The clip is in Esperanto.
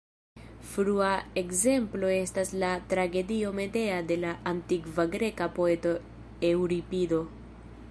Frua ekzemplo estas la tragedio "Medea" de la antikva greka poeto Eŭripido.